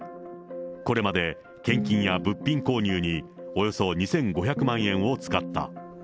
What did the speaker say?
これまで献金や物品購入におよそ２５００万円を使った。